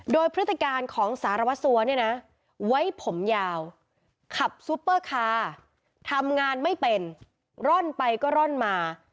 โดยพฤติการของสารวัสสัวเนี่ยนะไว้ผมยาวขับซุปเปอร์คาร์ทำงานไม่เป็นร่อนไปก็ร่อนมา